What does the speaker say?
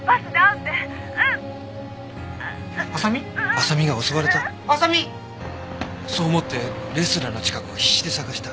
麻未が襲われたそう思ってレストランの近くを必死で捜した。